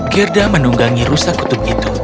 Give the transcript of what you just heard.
gerda menunggangi rusa kutub itu